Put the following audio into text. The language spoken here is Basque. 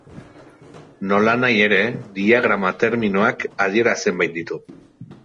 Nolanahi ere, diagrama terminoak adiera zenbait ditu.